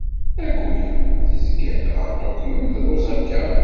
Nagoya tezga-d gar Tokyo ed Osaka.